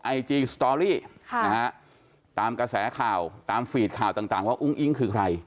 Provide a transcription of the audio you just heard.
ไอจีสตอรี่ตามกระแสข่าวตามฟีดข่าวต่างว่าอุ้งอิ๊งคือใคร